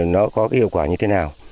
nó có hiệu quả như thế này